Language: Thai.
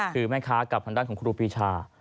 คือแม่ค้ากับทางด้านของครูปีชา